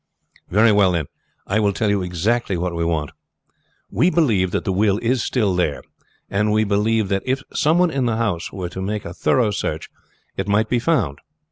"Very well, then, I will tell you exactly what we want. We believe that the will is still there, and we believe that if some one in the house were to make a thorough search it might be found.